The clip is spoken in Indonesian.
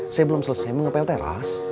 saya belum selesai mengepel teras